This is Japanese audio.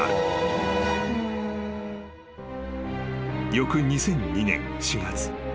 ［翌２００２年４月］